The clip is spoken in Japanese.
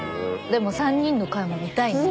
でも３人の回も見たいね。